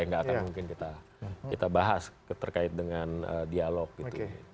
tidak akan mungkin kita bahas terkait dengan dialog gitu